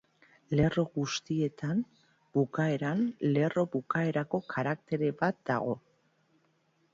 Lerro guztietan bukaeran lerro-bukaerako karaktere bat dago.